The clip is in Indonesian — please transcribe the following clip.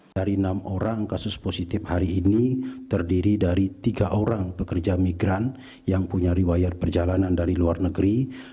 dari enam orang kasus positif hari ini terdiri dari tiga orang pekerja migran yang punya riwayat perjalanan dari luar negeri